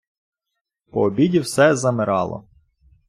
По обіді все замирало.